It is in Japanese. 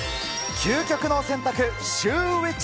究極の選択、シューＷｈｉｃｈ。